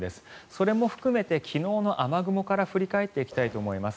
それも含めて昨日の雨雲から振り返っていきたいと思います。